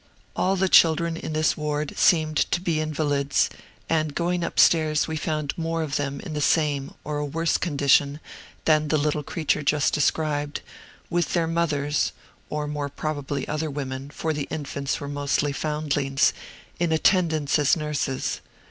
All the children in this ward seemed to be invalids, and, going up stairs, we found more of them in the same or a worse condition than the little creature just described, with their mothers (or more probably other women, for the infants were mostly foundlings) in attendance as nurses.